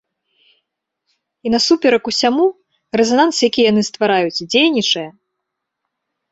І, насуперак усяму, рэзананс, які яны ствараюць, дзейнічае!